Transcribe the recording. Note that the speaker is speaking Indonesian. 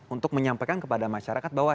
untuk menyampaikan kepada masyarakat bahwa